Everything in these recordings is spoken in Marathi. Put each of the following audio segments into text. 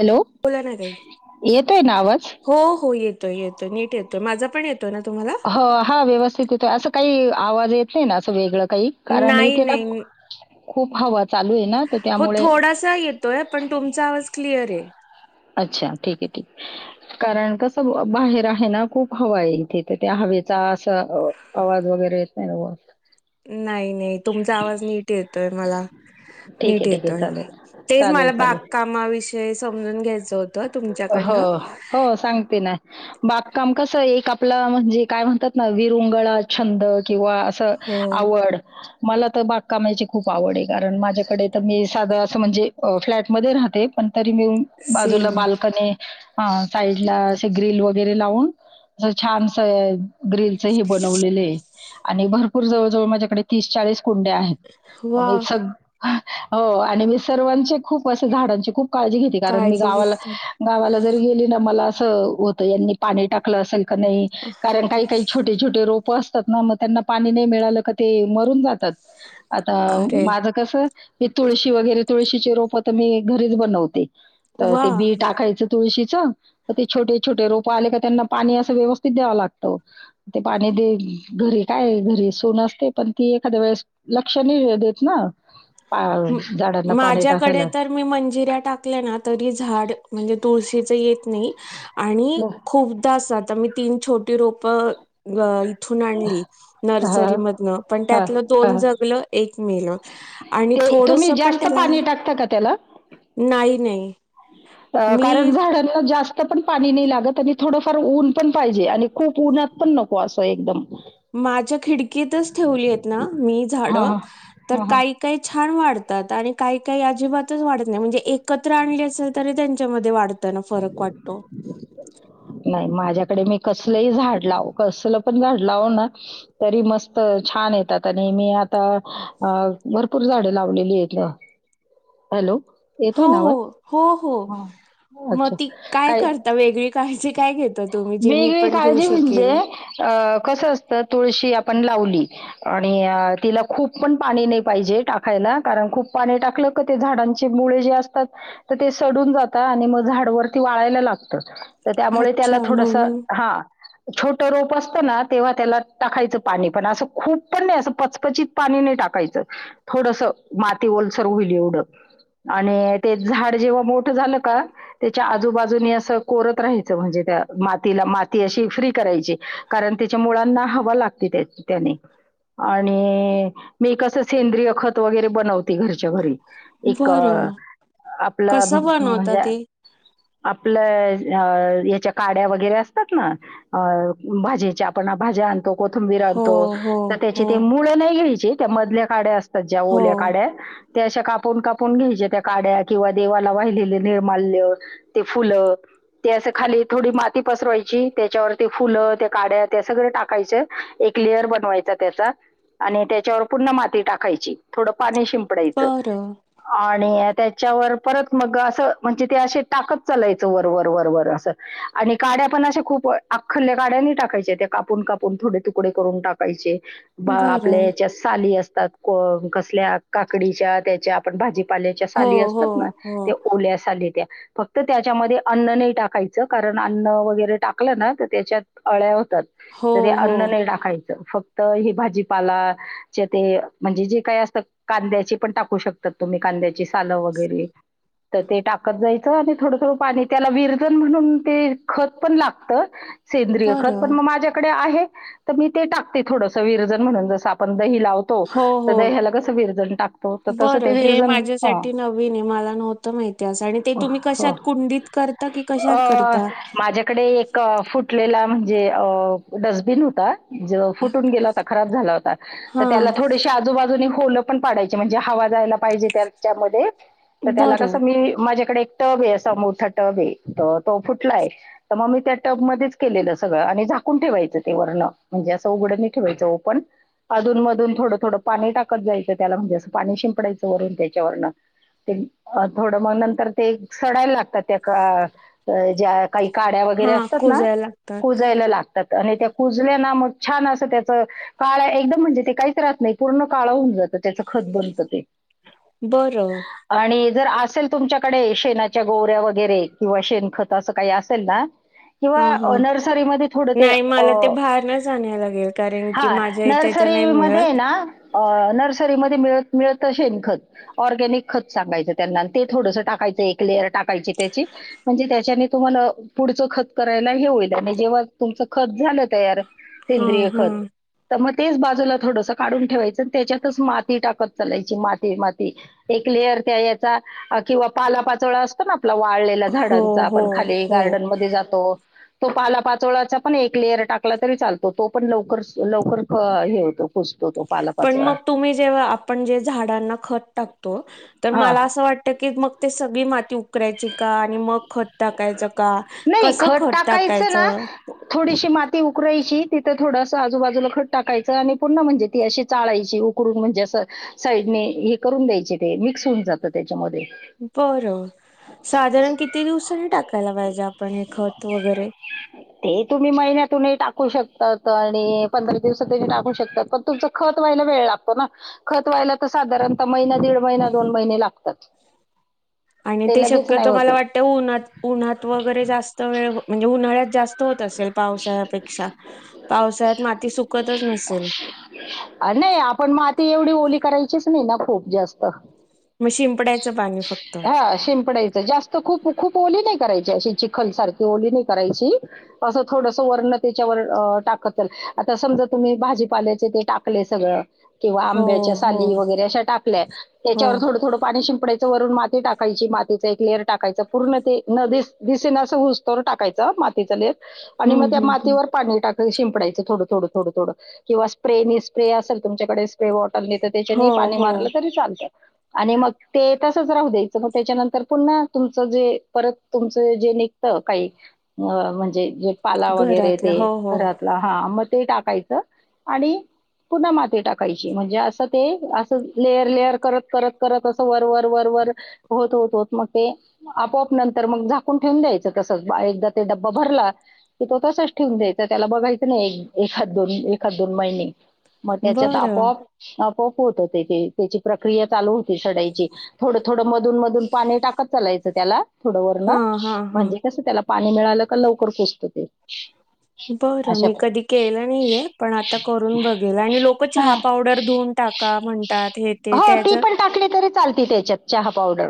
हॅलो बोला ना ताई. येतोय ना आवाज? हो हो येतोय येतोय नीट येतो माझा पण येतो हो हा व्यवस्थित येतोय असं काही आवाज येत असं वेगळं. का कारण नाही त्याला नाही खूप हवा चालू आहे ना तर हो त्यामुळे. थोडासा येतोय पण तुमचा आवाज क्लिअर आहे. अच्छा ठीक आहे ठीक कारण कस बाहेर आहे ना खूप हवा आहे. इथे तर त्या हवेचा असं आवाज वगैरे येत नाही ना? नाही नाही तुमचा आवाज नीट येतोय, मला ठीक आहे नीट ठीक आहे येतोय. चालेल तेच चालेल मला बाग चालेल कामा विषयी म्हणून घ्यायचं होत हो हो सांगते ना बागकाम कस एक आपलं म्हणजे काय म्हणतात ना विरुंगळा, छंद किंवा, अस हो. आवड मला तर बागकामायची खूप आवड आहे. कारण माझ्याकडे तर मी साधं असं म्हणजे फ्लॅटमध्ये राहते पण तरी मी बाजूला सेम बाल साईड ला ग्रील वगैरे लावून अस छान ग्रिलच हे बनवलेले हे आणि भरपूर जवळजवळ माझ्याकडे तीस, चाळीस कुंडया आहेत वा मग हो आणि मी सर्वांचे खूप, असे झाडांचे खूप काळजी घेते. कारण मी काळजी गावाला घेत गावाला जर गेली ना मला अस होत. पाणी टाकलं असेल का नाही. कारण काही काही छोटे, छोटे रोग पसतात ना मग त्यांना पाणी नाही मिळालं का ते मरून जातात. आता खरंय माझं कस हे तुळशी वगैरे तुळशीचे रोप तर मी घरीच बनवते. वा ते बी टाकायचं तुळशीच तर ते छोटे छोटे रोप आले का त्यांना पाणी असं व्यवस्थित द्याव लागत ते पाणी दे घरी काय घरी सोून असते पण ती एखाद्या वेळेस लक्ष नाही देत ना. पा- झाडांना पाणी माझ्याकडे टाकायला तर मी मंजिऱ्या टाकले ना तरी झाड म्हणजे तुळशीच येत नाही. आणि खूपदा असाततामित तीन छोटी रोप. इथून आणली हा, नर्सरी मधन पण हा, त्यातलं दोन हा. जगल एक. [unintelligible] आणि ते थोडस तुम्ही पण जास्त त्याला पाणी टाकता नाही नाही. अ मी कारण झाडांना [unintelligible] जास्त पण पाणी नाही लागत आणि थोडंफार ऊन पण पाहिजे आणि खूप ऊन्हात पण नको असं एकदम. माझ्या खिडकीतच ठेवली ना मी झाड हा हा तर हा, हा. काही काही छान वाढतात, आणि काही काही अजिबातच वाढत नाही, म्हणजे एकत्र आणले असेल तरी त्यांच्यामध्ये वाढत. वाढतान फरक वाटतो. कडे मी कसलही झाड लाव कसलं पण झाड लाव ना तरी मस्त छान येतात आणि मी आता भरपूर झाड लावलेली आहेतेत हॅलो. हो, येतोय ना आवाज हो, हो, हो. हां. मग ती काय करता वेगळी का. पाहिजे. वेगवेगळी काळजी म्हणजे अ कसं असत तुळशी आपण लावली. आणि तिला खूप पण पाणी नाही पाहिजे टाकायला कारण खूप पाणी टाकलं क ते झाडांचे मुळे जे असतात तर ते सडून जातात आणि मग झाडवरती वाळायला लागत. तर त्यामुळे. त्याला अच्छा थोडस म्हणून हा. छोट रोप असतं ना तेव्हा त्याला टाकायचं पाणी पण असं खूप पण नाही असं पचपचत पाणी नाही टाकायचं थोडस माती ओलसर होईल एवढं आणि ते झाड जेव्हा मोठ झालं का त्याच्या आजूबाजूननी असं कोरत राहायचं म्हणजे. मातीला माती अ फ्री करायची कारण त्याच्या मुळाना हवा लागते त्याने, आणि मी कस सेंद्रिय खत वगैरे बनवते घर. घरच्या घरी एक बरं आपलं कसं बनवता म्हणजे ते? आपलं. अ हेच्या. काड्या वगैरे असतात ना भाजीच्या आपण भाज्या आणतो. कोथुंबीर हो, आणतो हो, तर त्याची हो, ते मुळे नाही घ्यायची. ची त्या मधल्या काड्या. ज्या हो. ओल्या काड्या. ते अशा कापून कापून घ्यायच्या त्या काड्या किंवा देवाला वाहिलेले निर्माल्य ते फुलं ते असं खाली. थोडी माती पसरवायची त्याच्यावर ते फुलं ते काड्या त्या सगळं टाकायच एक लेयर बनवायच त्याचा आणि त्याच्यावर पूर्ण माती टाकायची थोड पाणी शिंप. शिंपडायचं बरं, आणि. त्याच्यावर परत मग असं म्हणजे ते असे टाकत चालायचं वरवर वरवर असं. आणि काड्या पण अशा खूप अख्खलल्या काड्यांनी टाकायच्या त्या कापून कापून थोडे तुकडे करून टाकायचे. बा आपल्या बरं. हेच्यात साली असतात. कसल्या काकडीच्या त्याच्या आपण भाजी पाल्याच्या हो, साली हो, असतात, ना हो. त्या ओल्या साली त्या फक्त त्याच्यामध्ये अन्न नाही टाकायचं. कारण अन्न वगैरे टाकलं ना तर त्याच्यात आळ्या होतात. हो, तरी हो. अन्न नाही टाकायचं फक्त. भाजीपाला म्हणजे जे काय असत कांद्याची पण टाकू शकतात. तुम्ही कांद्याची सालं वगैरे तर ते टाकत जायचं, आणि थोडं थोड पाणी त्याला विरजन म्हणून, ते खत पण लागत. सेंद्रिय खत पण बरं. मग माझ्याकडे आहे. तर मी ते टाकते थोडस विरजन म्हणून जसं आपण दही लावतो हो तर हो दह्याला कसं विरजन टाकतो तर तसं बरं ते हे विरजन हा माझ्यासाठी नवीन आहे मला नव्हते, माहिती असं आणि ते तुम्ही हो कशात कुंडीत करता की कशात अ करता? माझ्याकडे एक फुट कटलेला म्हणजे, अ डस्टबिन होता. ज फुटून गेला होता, खराब झाला होता तर त्याला हां. थोडेसे आजूबाजूूने होलं पण पाडायची म्हणजे, हवा जायला पाहिजे त्याच्यामध्ये तर त्याला बरं. कसं मी माझ्या [unintelligible] तर तो फुटलाय तर मग मी त्या टबमध्येध्येच केलेलं सगळं आणि झाकून ठेवायचं. ते वरण म्हणजे असं उघड नाही ठेवायचं. ओपण अधून मधून थोडं थोडं पाणी टाकत जायचं त्याला म्हणजे, असं पाणी शिंपडायचं वरून त्याच्या वरण ते थोडं मग नंतर ते सडायला लागतात त्या ज्या काही काड्या वगैरे हां, असतात, ना कुजायला लागतात. कुजायला लागत आणि त्या कुजल्या ना मग छान! असं त्याच काळ एकदम म्हणजे, ते काहीच राहत नाही पूर्ण काळा होऊन जात. त्याच खत बनत. ते बरं. आणि जर असेल तुमच्याकडे शेणाच्या गोऱ्या वगैरे किंवा शेणखत असं काही असेल ना, हां, किंवा हां, नर्सरीमध्ये थोड ते नाही मला ते बाहेरनच आणायला लागेल कारण की हा माझ्या इथे तर नाही मिळत. नर्सरीमध्ये ना नर्सरीमध्ये मिळ मिळत शेण खत ऑर्गॅनिक खत सांगायचं त्यांना ते थोडंसं टाकायचं एक लेअर टा पाहिजे त्याची म्हणजे त्याच्याने तुम्हाला पुढच खत करायला हे होईल, आणि जेव्हा तुमचं खत झालं तयार हा सेंद्रिय हा खत तेच बाजूला थोडसं काढून ठेवायचे, आणि त्याच्यातच माती टाकत चालायची माती माती एक लेअर त्या याचा किंवा पाला पाचोळा असतो, ना आपला वा हो झाडांचा हो आपण खाली हो गार्डन मध्ये जातो. तो पाला पाचोळाचा पण एक लेअर टाकला तरी चालतो तो पण लवकर लवकर हे होतो. कुजतो तो पाला पण पाचोळा मग तुम्ही जेव्हा आपण जे झाडांना खत टाकतो, तर हा मला असं वाटत की मग ते सगळी माती उकरायची का आणि मग खत टाकायचं, का कसं खत टाकायचं? थोडस आजूबाजूला खत टाकायचं आणि पूर्ण म्हणजे ती अशी चाळायची उकरून म्हणजे असं साईडने हे करून द्यायचे ते मिक्स होऊन जातं, त्याच्यामध्ये. बरं. साधारण किती दिवसाांनी टाकायला पाहिजे आपण हे खत वगैरे. ते तुम्ही महिन्यातूनही टाकू शकतात. आणि पंधरा दिवसातूनही टाकू शकतात. पण तुमच खत व्हायला वेळ लागतो ना. खत व्हायला त साधारणत महिना दीड महिना दोन महिने लागतात. आणि ते लगेच नाही शक्यतो मला होते वाटतं उन्हात उन्हात वगैरे जास्त वेळ म्हणजे उन्हाळ्यात जास्त होत असेल, पावसाळ्यापेक्षा पावसाळ्यात माती सुकतच नसेल. ती एवढी ओली करायचीच नाही ना खूप जास्त. मग शिंपडायचं पाणी फक्त. हा शिंपडायचं जास्त खूप खूपली ओली नाय नाही करायची अशी चिखल सारखी ओली नाही करायची, असं थोडस वर्ण त्याच्यावर अ टाकत चल आता समजा तुम्ही भाजीपाल्यायचे ते टाकले सगळं. किंवा हो आंब्याच्या हो साली वगैरे अशा टाकल्या हो त्याच्यावर थोडं थोडं पाणी शिंडय वरुण माती टाक यची मातीच एक लेअर टाकायचा. पूर्ण ते न दिस दिसेनास हसतोर टाकायचं मातीच लेअर आणि मग हम्म त्या हम्म हम्म मातीवर पाणी टाक शिंपडयच थोड थोड थोड थोड किंवा स्प्रे नि स्प्रे असेल तुमकडे स्प्रे तर त्याच्या हो पाणी हो मारलं तरी चालतं. आणि मग ते तसच राहू दे म त्याच्यानंतर पुन्हा तुमचं जे परत तुमच जे निघत काही म्हणजे जे पाला वगैरे घरातलं ते हो हो घरातला हा म- ते टाकायचं आणि पुन्हा माती टाकायची म्हणजे असं ते असं लेअर, लेअर करत, करत, करत असं वरवर वरवर- होत होत होत मग ते आपोआप नंतर मग झाकून ठेवून द्यायचं तसच एकदा ते डब्बा भरला की तो तसच ठेवून द्यायचा त्याला बघायचं नाही एखद दोन एखाद दोन महिने मग त्याच्यात बरं आपोआप होत ते त्याची प्रक्रिया चाल होती सडायची थोड थोड म मधून मधून पाणी टाकत चालायचं त्याला थोडं वरन हा हा हा म्हणजे कसं त्याला पाणी मिळालं का लवकर कुजत ते. बरं अशा मी कधी केलं नाहीेय पण आता करून बघेल, आणि लोक हा चहा पावडर धुऊन टाका म्हणतात हे ते हो त्याच ती पण टाकली तरी चालते त्याच्यात चहा पावडर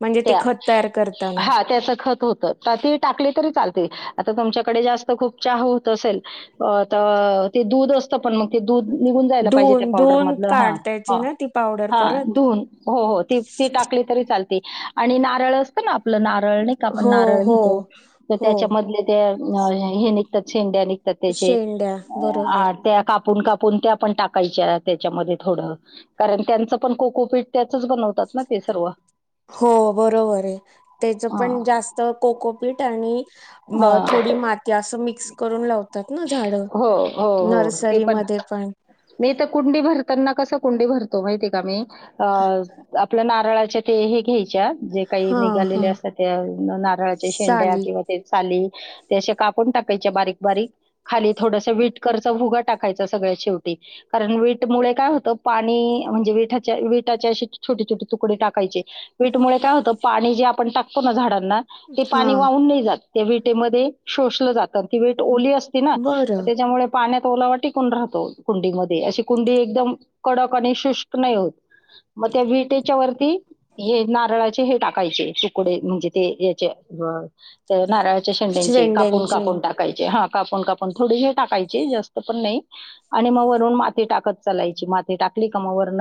म्हणजे ते खत तयार करताना हा त्याचं खत होतं ती टाकली तरी चालते. आता तुमच्याकडे जास्त खूप चहा होत असेल अ त दूध असत पण मग दूध निघून जायला पाहिजे त्या धुवून पावडर धुवून मधलं हा काढतायची ना ती पावडर हा परत धुन हो हो ती ती टाकली तरी चाल आणि नारळ असत ना, आपलं नारळ नाही का? आपण हो नारळ हो घेतो तर हो त्याच्या मधले ते अ हे निघतात शेंडया निघ त त्याचे शेंड्या [unintelligible] बरोबर त्या काप कापून कापून त्या पण टाकायच्या त्याच्यामध्ये थोडं कारण त्यांचं पण कोकोपीठ त्याच बनवतात. ना ते सर्व. हो बरोबर आहे त्याच पण हां, जास्त कोकोपीट आणि हां. थोडी माती अस मिक्स करून लावतात ना झाड हो, हो, हो. ते नर्सरीमध्ये पण कंडे भरतो माहितीय का मी अ आप नारळाचे ते हे घ्यायचे. जे काही हा निघालेले हा असतात त्या नारळाच्या शेंड्या साली किंवा ते चाली ते असे कापून टाकायचे बारीक बारीक खाली थोडस विट करच भुगा टाकायच सगळ्या शेवटी कारण विट मु काय होत पाणी म्हणजे विाच्या विटाच्या अशी छोटी छोट तुकडे टाकायचे पीठमुळे काय होतं पाणी जे आपण टातो ना झाडात. ते हा पाणी वाहून नाही जात. ते विटेमध्ये शोषलं जातं. अ ती वीट ओली असती ना त बरं तेच्यामुळे पाण्यात ओलावा टिकून राहतो कुंडी मधे अशी कुंडी एकदम कडक आणि शुष्क नाही होत. म त्या वीटे. त्याच्या वती हे नारळाचे हे टाकायचे तुकडे म्हणजे ते याचे ते नारळाच्या शेंड्यांचे कापून कापून टाकायचे हा. कापून कापून खुर्डी ने टाकायचे जास्त पण नाही आणि म वरून माती टाकत चलायची माती टाकली काम वरन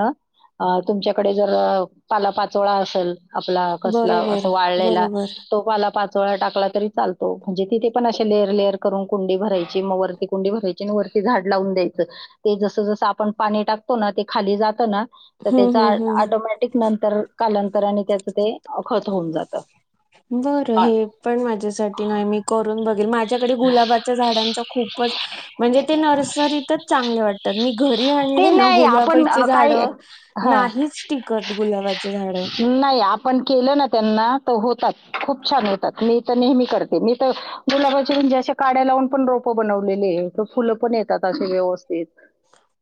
अ तुमच्याकडे जर र पाला पाचोळा असेल. आपला कसला अस बरोबर वाळलेला बरोबर तो मला पाला पाच. चोळा टाकला तरी चालतो म्हणजे तिथे पण अशे लेअर लेअर करून कुंडी भरायची मग वरती कुंडी भरायची आणि वरती झाड लावून द्यायचं ते जसं जसं आपण पाणी टाकतो ना ते खाली जातं ना. तर हम्म त्याचा हम्म आळ हम्म ऑटोमॅटिक नंतर कालांतराने. त्याच ते अ खत होऊन जात. बरं हे पण माझ्यासाठी नाही मी करून बघेल माझ्याकडे गुलाबाच्या झाडांच खूपच म्हणजे ते नर्सरीतच चांगले वाटतात मी घरी ते आणले ना नाही आपण गुलाबाचे अ, झाड काय हा नाहीच. टिकत गुलाबाचे झाड नाही आपण केलं ना त्यांना होतात खूप छान होतात मी तर नेहमी करते मी त गुलाबाचे म्हणजेे अशे काड्या लावून पण रोप बनवलेले फुलं पण येतात अशे व्यवस्थित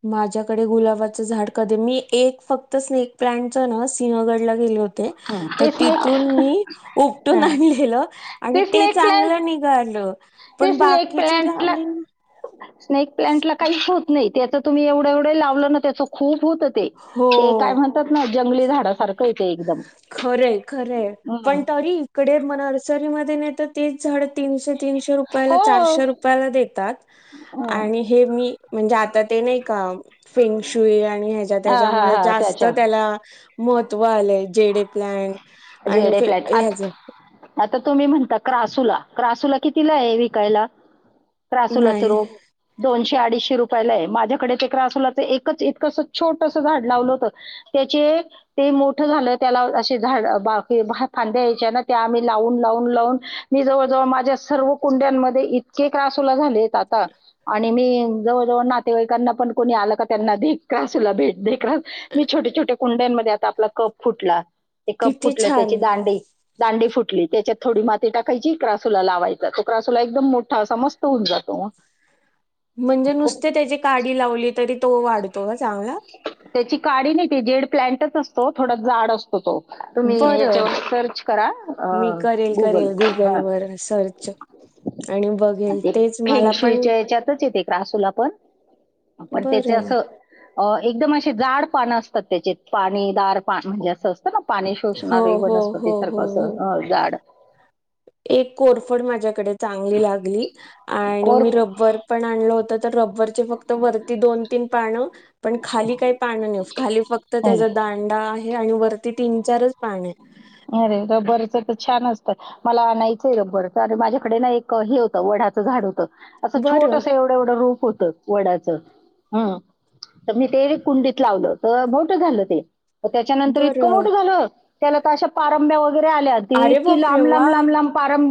माझ्याकडे गुलाबाचं झाड कधी मी एक फक्त स्नेक प्लांटचा ना सिंहगड ला गेले होत. ते हं. तर ते तिथून स्नेक मी उपटून आणलेलं आणि ते स्नेक प्लांट चांगलं निघालं. ते पण स्नेक बाकीचे प्लांटला लावले ना स्नेक प्लंटला काही होत नाही. ते त तुम्ही एवढं एवढे लावलं ना त्यांच् खूप होत ते ते काय म्हणतात ना. जंगली झाड सारखं. खरे खरे हम्म. पण तरी इकडे म नर्सरीमध् धे नेतात. तेच झाड तीनशे तीनशे रुपयाला हो चारशे रुपयाला देतात. हं. आणि हे मी म्हणजे आता ते नाही का फिंगशूई. हच्या हा हा त्याच्यामुळे हा जास्त त्याच्या त्याला मोत. वाले जेडे प्लाँट जेड ए प्लांट. तर तुम्ही म्हणता क्रासूला क्रासूला कितीला आहे विकायला त्रासूलाच नाही रोग दोनशे अडीचशे. ति रुपयेला ये माझ्याकडे एक च इतकं स छोटस झाड लावलं होतं त्याचे ते मोठ झालं त्याला अशे झाड. बाकी फांद्या या्यायच्या ना त्या आम्ही लावून लावून लावून मी जवळजवळ माझ्या सर्व कुंड्यांमध्ये इतके त्रासोला झालेत आता आणि मी जवळजवळ नातेवाईकांना पण कोणी आलं का त्यांना दे त्रासला भेट दे. मी छोटे छोटे कुंड्यांमध्ये आता आपला कप फुटला. कप किती फुटलं छान त्याची दांडे. दांडी फुटली त्याच्यात थोडी माती टाकायची क्रासूला लावायचा तो क्रासूला एकदम मोठा असा मस्त होऊन जातो मग म्हणजे खूप नुसते त्याची काढ लावली तरी तो वाढतो का चांगला. त्याची काडी नाही जेड प्लंटच असतो थोडं जाड असतो. तुम्ही बरं याच्यावर सर्च करा मी करेल गुगल करेल ह गुगलवर सर्च आणि बघेल ते तेच मला पण फेशच्यातच येते क्रासूला पणण बरं असं [unintelligible] एकदम असे जाड पान असतात त्याचेत पाणी दार पा म्हणजे असं असत. ना पाणी हो शोषणार आहे हो वनस्पती हो सारखं हो हो असं झाड एक कोरफड माझ्याकडे चांगली लागली आणि मी कोर रब्बर पण आणल होत तर रब्बर. फक्त वरती दोन तीन पा [unintelligible] पण खाली काही पानं नाही खाली फक्त त्याचा दांडा आहे आणि वरती तीन चारच पान आहे. अरे रबरचं तर छान असतं मला आणायचंय रबर तर माझ्याकडे ना एक हे होतं वडाचं झाड होतं. असं बरं छोटसं एवढं एवढं रूप होत. वडाच हम. तर मी ते कुंडीत लावल तर भोट घाल ते. त्याच्यानंतर इतकं बरं मोठं झालं त्याला तर अशा पारंभ्या. अरे बापरे लांब लाब वा लांब लांब.